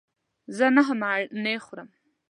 زه نهه مڼې خورم.